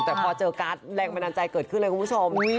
แต่พอเจอการ์ดแรงบันดาลใจเกิดขึ้นเลยคุณผู้ชม